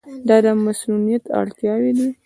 دا د مصونیت اړتیاوې دي.